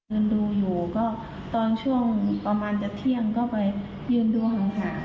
ดูอยู่ก็ตอนช่วงประมาณจะเที่ยงก็ไปยืนดูห่าง